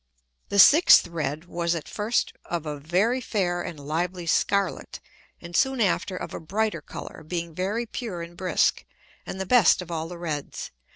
The sixth red was at first of a very fair and lively scarlet, and soon after of a brighter Colour, being very pure and brisk, and the best of all the reds.